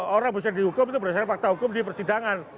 orang bisa dihukum itu berdasarkan fakta hukum di persidangan